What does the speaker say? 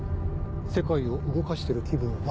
世界を動かしてる気分は。